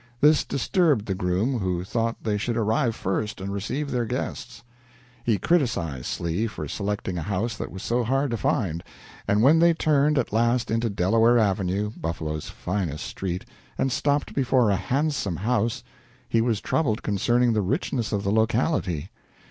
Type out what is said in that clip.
This disturbed the groom, who thought they should arrive first and receive their guests. He criticized Slee for selecting a house that was so hard to find, and when they turned at last into Delaware Avenue, Buffalo's finest street, and stopped before a handsome house, he was troubled concerning the richness of the locality.